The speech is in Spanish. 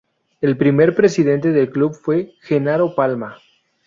El primer presidente del club fue Genaro Palma.